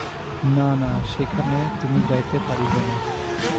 না, না সেখানে তুমি যাইতে পারিবে না।